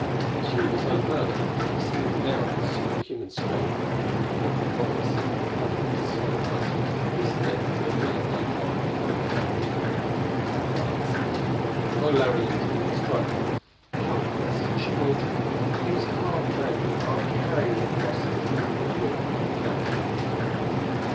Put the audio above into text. But Tugh was unhurt; he seemed endowed with superhuman strength. The cripple's body seemed padded with solid muscle, and his thick, gorilla like arm held Larry in the grip of a vise. As though Larry and Tina were struggling, helpless children, he was half dragging, half carrying them across the ten foot width of the catwalk.